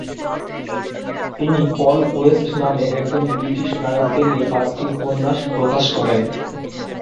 তিনি Paul West নামে একজন ব্রিটিশ নায়ককে নিয়ে পাঁচটি উপন্যাস প্রকাশ করেন।